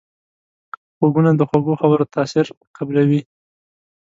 غوږونه د خوږو خبرو تاثیر قبلوي